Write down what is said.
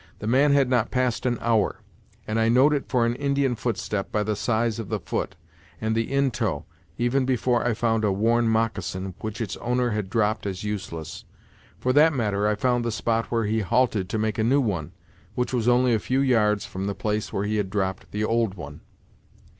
The man had not passed an hour; and I know'd it for an Indian footstep, by the size of the foot, and the intoe, even before I found a worn moccasin, which its owner had dropped as useless. For that matter, I found the spot where he halted to make a new one, which was only a few yards from the place where he had dropped the old one."